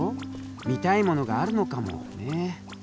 見たいものがあるのかもね。